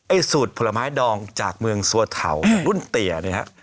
ไอ้สูตรผลไม้ดองจากเมืองสวทาวหรือรุ่นเตี๋ยนี่ครับ